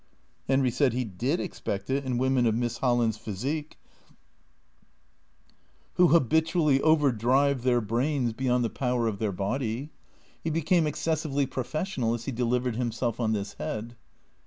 Henry said he did expect it in women of Miss Holland's physique, who habitually over drive their brains beyond the THECEEATORS 263 power of their body. He became excessively professional as he delivered himself on this head.